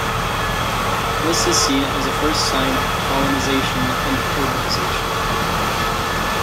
This is seen as a first sign of colonization and urbanization.